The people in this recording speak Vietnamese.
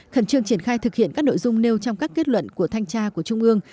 khẩn trương triển khai thực hiện các nội dung nêu trong các kết luận của thanh tra của trung ương